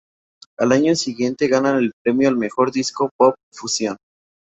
Al año siguiente ganan el Premio al mejor disco pop-fusión.